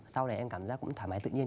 sau này em cảm giác cũng thoải mái tự nhiên